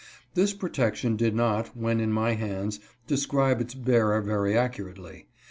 This protection did not, when in my hands, describe its bearer very accurately.